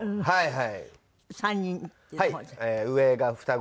はい。